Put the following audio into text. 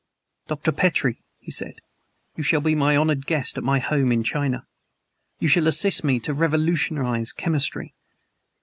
"Dr. Petrie," he said, "you shall be my honored guest at my home in China. You shall assist me to revolutionize chemistry.